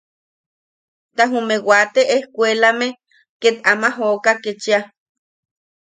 Ta jume wate ejkuelame ket ama jooka kechia.